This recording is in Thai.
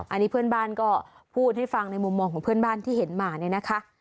อันนี้เพื่อนบ้านก็พูดให้ฟังในมุมมองของเพื่อนบ้านที่เห็นมาเนี่ยนะคะ